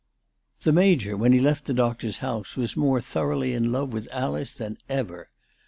THE Major, when he left the doctor's house, was more thoroughly in love with Alice than ever.